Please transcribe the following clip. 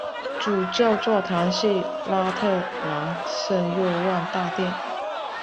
主教座堂是拉特朗圣若望大殿。